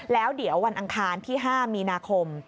แล้วเดี๋ยววันอังคารที่๕มีนาคม